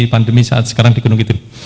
pandemi saat sekarang di gunung kidul